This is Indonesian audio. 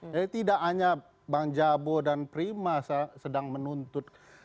tidak hanya bang jabo dan prima sedang menuntut